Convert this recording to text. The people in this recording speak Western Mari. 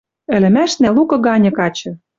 Ӹлӹмӓшнӓ лукы ганьы качы.